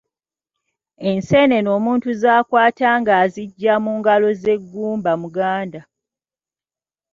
Enseenene omuntu z'akwata ng'aziggya mu ngalo ze gumba muganda.